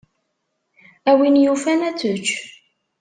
A win yufan ad tečč.